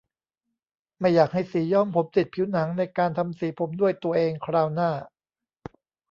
ไม่อยากให้สีย้อมผมติดผิวหนังในการทำสีผมด้วยตัวเองคราวหน้า